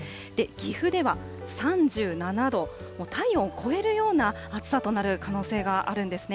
岐阜では３７度、もう体温超えるような暑さとなる可能性があるんですね。